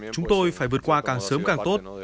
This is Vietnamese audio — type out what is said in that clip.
chúng tôi phải vượt qua càng sớm càng tốt